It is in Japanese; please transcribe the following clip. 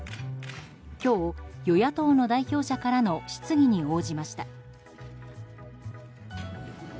今日、与野党の代表者からの質疑に応じました。